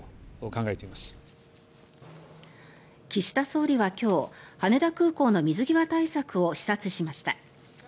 岸田総理は今日羽田空港の水際対策を視察しました。